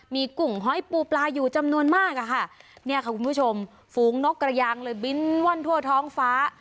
มีกุ่งห้อยปูปลาอยู่จำนวนมากอะค่ะเนี่ยค่ะคุณผู้ชมฝูงนกกระยางเลยบินว่อนทั่วท้องฟ้า